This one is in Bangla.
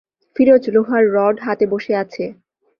ফিরোজ লোহার রড হাতে বসে আছে।